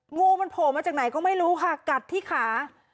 งูมันโผล่มาจากไหนก็ไม่รู้ค่ะกัดที่ขา